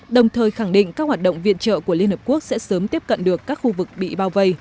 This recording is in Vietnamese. đồng thời khẳng định các hoạt động viện trợ của liên hợp quốc sẽ sớm tiếp cận được các khu vực bị bao vây